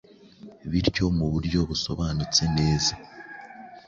bityo mu buryo busobanutse neza,